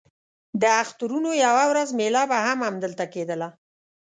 د اخترونو یوه ورځ مېله به هم همدلته کېدله.